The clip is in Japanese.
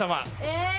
え！